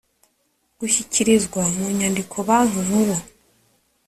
gushyikirizwa mu nyandiko banki nkuru